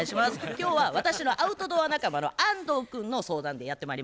今日は私のアウトドア仲間の安藤君の相談でやってまいりました。